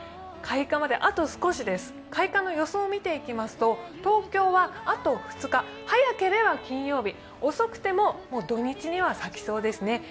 開花まであと少しです、開花の予想を見ていきますと東京はあと２日、早ければ金曜日、遅くても土日には咲きそうですね。